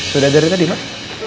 sudah dari tadi pak